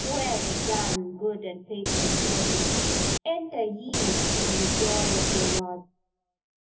"Well done good and faithful servants, enter ye into the joy of your Lord."